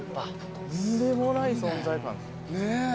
とんでもない存在感。